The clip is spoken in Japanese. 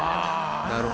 なるほど。